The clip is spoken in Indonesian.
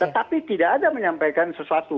tetapi tidak ada menyampaikan sesuatu